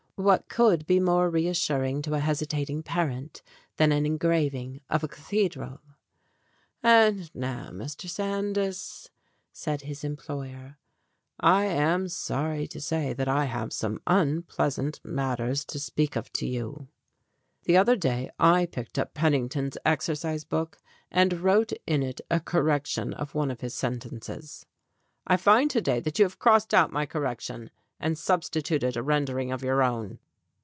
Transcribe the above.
What could be more reassuring to a hesitat ing parent than an engraving of a cathedral? "And now, Mr. Sandys," said his employer, "I am sorry to say that I have some unpleasant matters to speak of to you. The other day I picked up Penning ton's exercise book, and wrote in it a correction of one of his sentences; I find to day that you have crossed out my correction and substituted a rendering of your own."